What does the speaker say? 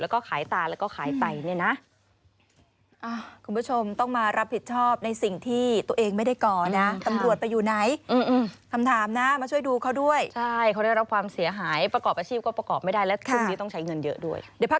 เขาได้รับความเสียหายประกอบอาชีพก็ประกอบไม่ได้และตรงนี้ต้องใช้เงินเยอะด้วย